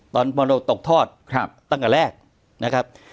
ตอนมรดกตกทอดครับตั้งแต่แรกนะครับ